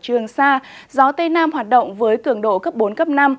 trường sa gió tây nam hoạt động với cường độ cấp bốn cấp năm